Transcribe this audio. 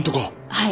はい。